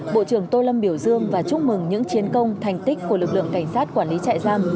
bộ trưởng tô lâm biểu dương và chúc mừng những chiến công thành tích của lực lượng cảnh sát quản lý trại giam